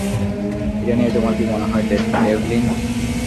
এটা নিয়ে তোমার কি মনে হয়, ডেভলিন?